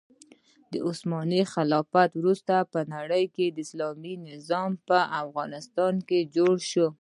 د عثماني خلافت وروسته په نړۍکې اسلامي نظام په افغانستان کې جوړ شو.